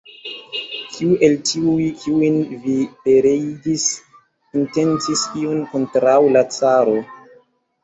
Kiu el tiuj, kiujn vi pereigis, intencis ion kontraŭ la caro?